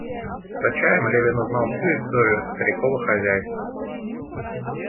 За чаем Левин узнал всю историю старикова хозяйства.